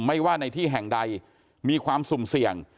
ว่าในที่แห่งใดมีความสุ่มเสี่ยง